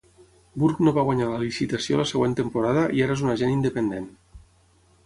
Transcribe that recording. Burke no va guanyar la licitació la següent temporada i ara és un agent independent.